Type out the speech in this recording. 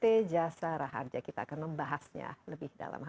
sejasa raharja kita akan membahasnya lebih dalam hal